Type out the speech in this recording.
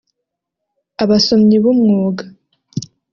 Abasomyi b’umwuga